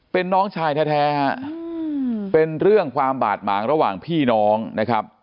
เป็นน้องชายแท้เป็นเรื่องความบาดหมางระหว่างพี่น้องนะครับ